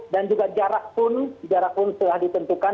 dan juga jarak pun jarak pun telah ditentukan